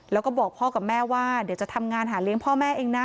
แล้วก็บอกพ่อกับแม่ว่าเดี๋ยวจะทำงานหาเลี้ยงพ่อแม่เองนะ